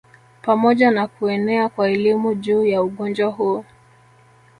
Pamoja na kuenea kwa elimu juu ya ugonjwa huu